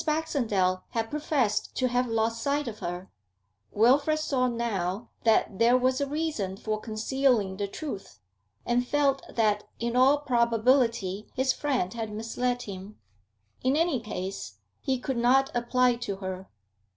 Baxendale had professed to have lost sight of her; Wilfrid saw now that there was a reason for concealing the truth, and felt that in all probability his friend had misled him; in any case, he could not apply to her.